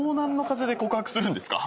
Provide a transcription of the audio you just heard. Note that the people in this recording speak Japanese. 風で告白するんですか？